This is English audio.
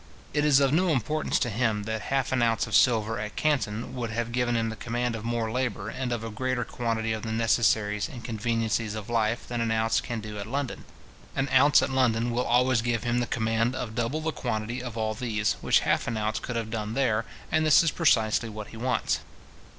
It is of no importance to him that half an ounce of silver at Canton would have given him the command of more labour, and of a greater quantity of the necessaries and conveniencies of life than an ounce can do at London. An ounce at London will always give him the command of double the quantity of all these, which half an ounce could have done there, and this is precisely what he wants.